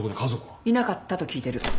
いなかったと聞いてる。